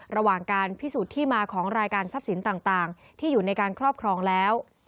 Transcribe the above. ระหว่างการพิสูจน์ที่มาของรายการทรัพย์สินต่างที่อยู่ในการครอบครองแล้ว